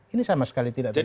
ini sama sekali tidak terjadi